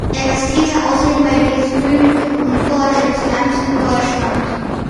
Er gastiert außerdem bei Lesebühnen und Poetry Slams in Deutschland.